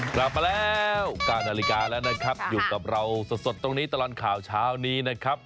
กลับมาแล้ว๙นาฬิกาแล้วนะครับอยู่กับเราสดตรงนี้ตลอดข่าวเช้านี้นะครับ